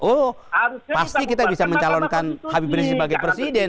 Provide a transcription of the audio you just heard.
oh pasti kita bisa mencalonkan habib rizie sebagai presiden